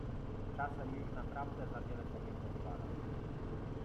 Czasem już naprawdę za wiele sobie pozwala.